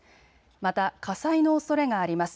また火災のおそれがあります。